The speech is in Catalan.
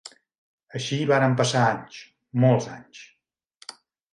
Així varen passar anys, molts anys